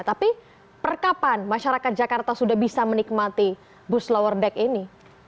tapi perkapan masyarakat jakarta sudah bisa menikmati bus lower deck ini